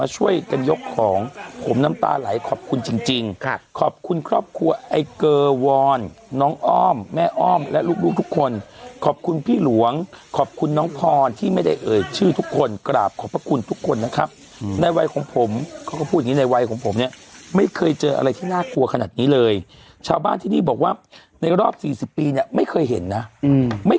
ช่วยกันยกของผมน้ำตาไหลขอบคุณจริงจริงครับขอบคุณครอบครัวไอเกอร์วอนน้องอ้อมแม่อ้อมและลูกลูกทุกคนขอบคุณพี่หลวงขอบคุณน้องพรที่ไม่ได้เอ่ยชื่อทุกคนกราบขอบพระคุณทุกคนนะครับในวัยของผมเขาก็พูดอย่างงี้ในวัยของผมเนี่ยไม่เคยเจออะไรที่น่ากลัวขนาดนี้เลยชาวบ้านที่นี่บอกว่าในรอบสี่สิบปีเนี่ยไม่เคยเห็นนะไม่